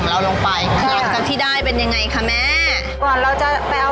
เราขอพอที่เราจะออกมาขายของเราก็ขอ